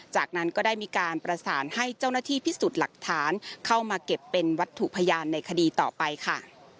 จากนั้นก็ได้มีการประสานให้เจ้าหน้าที่พิสูจน์หลักฐานเข้ามาเก็บเป็นวัตถุพยานในคดีต่อไปค่ะ